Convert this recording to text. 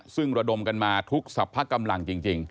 ซึ่งระดมกันมาทุกสรรพกำลังจริง